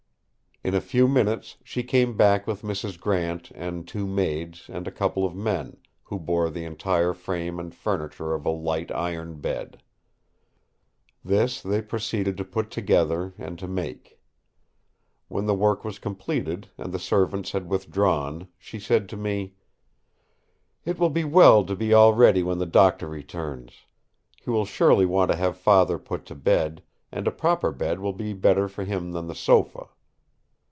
In a few minutes she came back with Mrs. Grant and two maids and a couple of men, who bore the entire frame and furniture of a light iron bed. This they proceeded to put together and to make. When the work was completed, and the servants had withdrawn, she said to me: "It will be well to be all ready when the Doctor returns. He will surely want to have Father put to bed; and a proper bed will be better for him than the sofa."